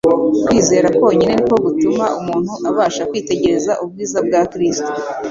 Kwizera konyine niko gutuma umuntu abasha kwitegereza ubwiza bwa Kristo.